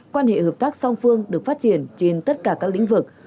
quan hệ hợp tác song phương được phát triển trên tất cả các lĩnh vực